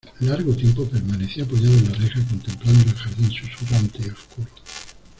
largo tiempo permanecí apoyado en la reja, contemplando el jardín susurrante y oscuro.